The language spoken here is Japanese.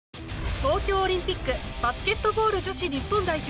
東京オリンピックバスケットボール女子日本代表